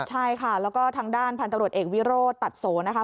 ใช่ค่ะแล้วก็ทางด้านพันธบรวจเอกวิโรธตัดโสนะคะ